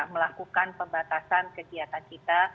melakukan pembatasan kegiatan kita